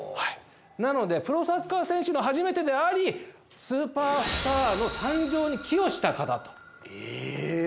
なのでプロサッカー選手の初めてであり、スーパースターの誕生に寄与した方と。